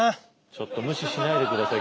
ちょっと無視しないでください。